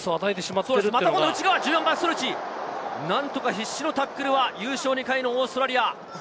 なんとか必死のタックルは優勝２回のオーストラリア。